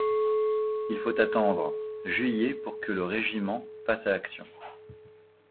Il faut attendre juillet pour que le régiment passe à l’action.